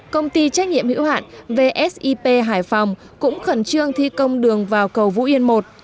công ty trách nhiệm hữu hạn vsip hải phòng cũng khẩn trương thi công đường vào cầu vũ yên i